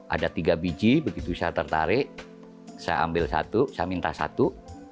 ada tiga biji begitu saya tertarik saya ambil satu saya minta satu